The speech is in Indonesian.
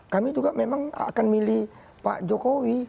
kami juga memang akan milih pak jokowi